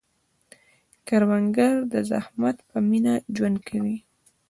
کروندګر د زحمت په مینه ژوند کوي